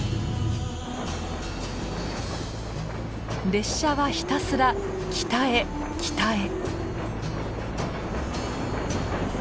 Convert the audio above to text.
列車はひたすら北へ北へ。